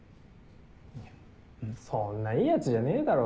・いやそんないいやつじゃねえだろ。